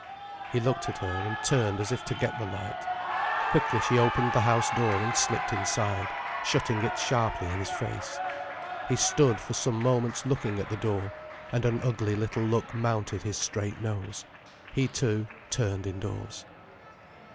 He looked at her, and turned as if to get the light. Quickly she opened the house door and slipped inside, shutting it sharply in his face. He stood for some moments looking at the door, and an ugly little look mounted his straight nose. He too turned indoors.